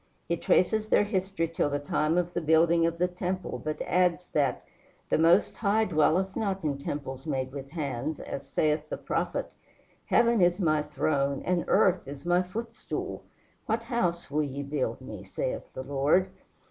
He traces their history till the time of the building of the temple, but adds that "the Most High dwelleth not in temples made with hands, as saith the prophet: Heaven is my throne and earth is my footstool: what house will ye build me? saith the Lord.